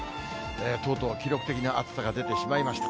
とうとう記録的な暑さが出てしまいました。